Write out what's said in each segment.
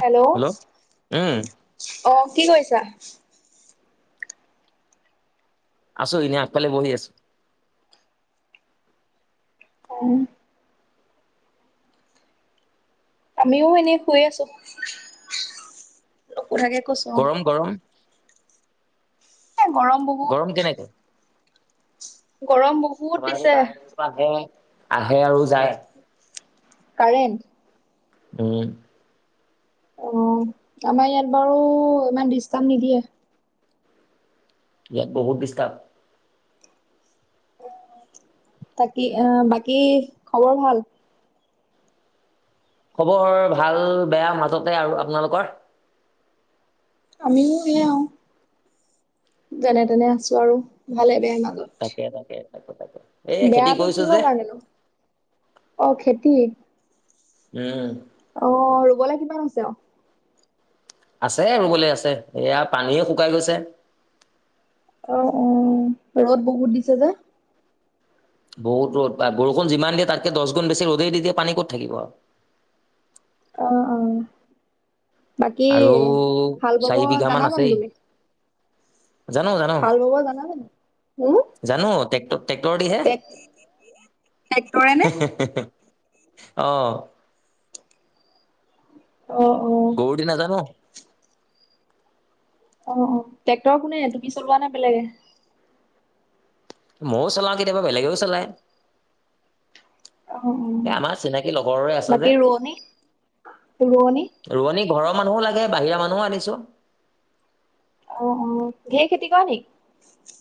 Hello! উম অঁ কি কৰিছা? আছো। এনেই আগফালে বহি আছো। অঁ। আমিও এনেই ফুৰি আছো। নোসোধাকে। গৰম, গৰম? এ গৰম বহুত। গৰম বহু আমাৰো কাৰেণ্টো আহে আহে আৰু যায়। কাৰেণ্ট? ওঁ। অঁ আমাৰ ইয়াত বাৰু ইমান দিষ্টাৰ্ব নিদিয়ে। ইয়াত বহুত ডিষ্টাৰ্ব। তাকি আ -বাকী খবৰ ভাল? খবৰ ভাল, বেয়া মাজতে আৰু আপোনালোকৰ? আমিও সেইয়ে আও। যেনে -তেনে আছো আৰু ভালে বেয়াই মাজত। তাকে, তাকে। তাকে, তাকে। এই খেতি বেয়াটো কৰিছো কিহৰ যে কাৰণেনো? অঁ খেতি। উম। অঁ - ৰুবলে কিমান আছে আও? আছে ৰুবলে আছে এয়া পানীয়ে শুকাই গৈছে। অঁ, অঁ ৰ'দ বহুত দিছে যে। বহুত ৰ'দ বা- বৰষুণ যিমান দিয়ে তাত্কে দশ গুণ বেছি ৰ'দে দি দিয়ে পানী ক'ত থাকিব আও। অঁ, অঁ। বাকী আৰু হালবাব চাৰি বিঘা মান জানা জানো আছেই তুমি? জানো জানো। হালবাব জানা জানো? হুঁহ্ জানো টেক্ট ট্ৰেক্টৰদিহে। হেঁহ্, ট্ৰেক্টৰে নে? হেঁহ্ হেঁহ্ হেঁহ্ অঁ। অঁ, অঁ। গৰুৰ দি নাজানো। অ, অ, ট্ৰেক্টৰ কোনে তুমি চলোৱা নে বেলেগে? ময়ো চলাওঁ কেতিয়াবা বেলেগেও চলায়। অ', অ', এই আমাৰ চিনাকী লগৰৰে আছে যে। ৰুৱনি ৰুৱনি ঘৰ মানুহো লাগে বাহিৰা মানুহো আনিছো। অ, অ, ঘেৰ খেতি কৰা নেকি?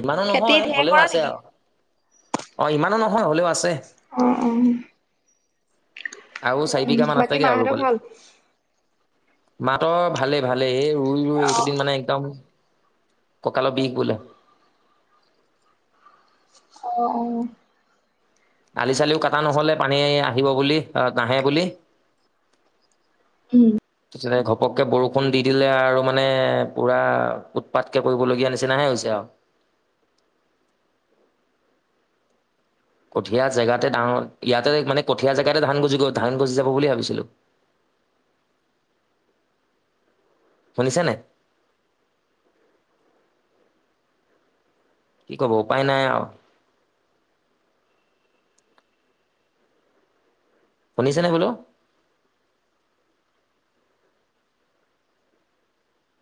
ইমানো খেতি নহয়, ঢেৰ হ'লেও কৰা আছে নেকি? আৰু, অ, ইমানো নহয় হ'লেও আছে। অ', অ' আৰু চাৰি উম, বিঘামান বাকী আছেগে আৰু মাহঁতৰ ৰুবলে। ভাল? মাহঁতৰ ভালে-ভালে এই ৰুই-ৰুই অ', এইকেইদিন মানে একদম ককালো বিষ বোলে। অঁ, অঁ আলি-চালিও কাটা নহলে পানী আহিব বুলি আ নাহে বুলি। উম তাৰপিছতে ঘপককে বৰষুণ দি দিলে আৰু মানে পুৰা উৎপাত কৰিবলগীয়া নিচিনাহে হৈছে আৰু। কঠীয়া জেগাতে ডাঙৰ ইয়াতে মানে কঠীয়া জেগাতে ধান গজি গল ধান গজি যাব বুলি ভাবিছিলো। শুনিছে নে? কি কব উপায় নাই আৰু। শুনিছেনে বোলো?